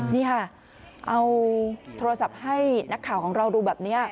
นี่ค่ะเอาโทรศัพท์ให้นักข่าวของเราดูแบบนี้